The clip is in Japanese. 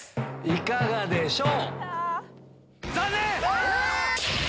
いかがでしょう？